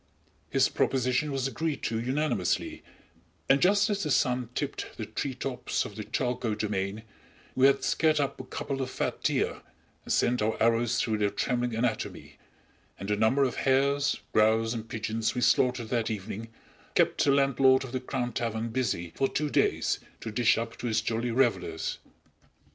His proposition was agreed to unanimously, and just as the sun tipped the treetops of the Charlecote domain, we had scared up a couple of fat deer, and sent our arrows through their trembling anatomy, and the number of hares, grouse and pigeons we slaughtered that evening kept the landlord of the Crown Tavern busy for two days to dish up to his jolly revelers.